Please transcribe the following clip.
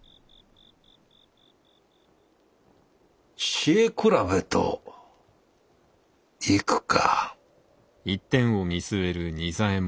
知恵比べといくか。